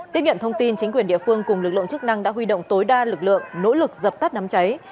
tiếp nhận thông tin chính quyền địa phương cùng lực lượng chức năng đã huy động tối đa lực lượng nỗ lực dập tắt đám cháy